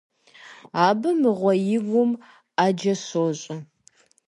Абы, мыгъуэ, и гум Ӏэджэ щощӀэ.